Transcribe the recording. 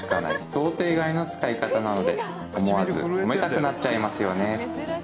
想定外の使い方なので思わず褒めたくなっちゃいますよね